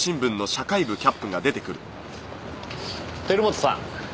照本さん。